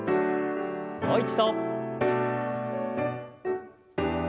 もう一度。